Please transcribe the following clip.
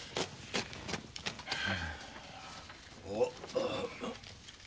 おっ。